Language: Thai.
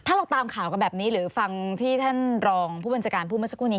ถ้าเราตามข่าวกันแบบนี้หรือฟังที่ท่านรองผู้บัญชาการพูดเมื่อสักครู่นี้